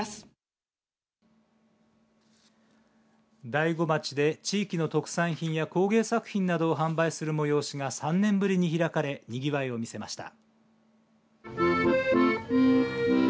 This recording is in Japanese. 大子町で地域の特産品や工芸作品などを販売する催しが３年ぶりに開かれにぎわいを見せました。